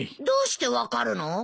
どうして分かるの？